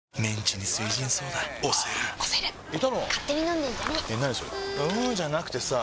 んーじゃなくてさぁ